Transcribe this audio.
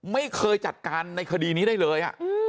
ไม่เคยจัดการในคดีนี้ได้เลย